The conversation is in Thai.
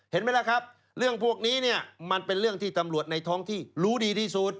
เห็นไหมล่ะครับเรื่องพวกนี้เนี่ยมันเป็นเรื่องที่ตำรวจในท้องที่รู้ดีที่สุด